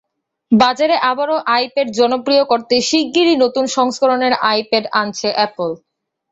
বাজারে আবারও আইপ্যাড জনপ্রিয় করতে শিগগিরই নতুন সংস্করণের আইপ্যাড আনছে অ্যাপল।